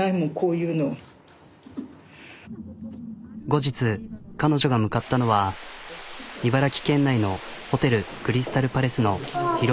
後日彼女が向かったのは茨城県内のホテルクリスタルパレスの披露宴会場。